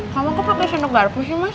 kamu kok pakai sendok garpu sih mas